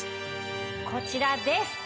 こちらです